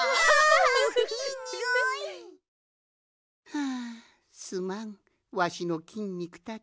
はあすまんわしのきんにくたち。